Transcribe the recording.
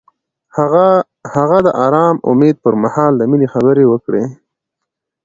هغه د آرام امید پر مهال د مینې خبرې وکړې.